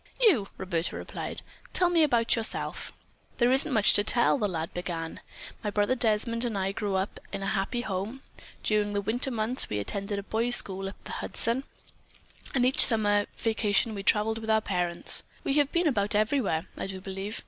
"You," Roberta replied. "Tell me about yourself." "There isn't much to tell," the lad began. "My brother Desmond and I grew up in a happy home. During the winter months we attended a boys' school up the Hudson, and each summer vacation we traveled with our parents. We have been about everywhere, I do believe.